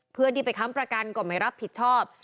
เพื่อนที่ไปค้ำประกันก็ไม่รับผิดชอบ